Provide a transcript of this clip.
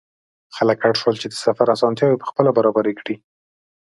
خلک اړ شول چې د سفر اسانتیاوې پخپله برابرې کړي.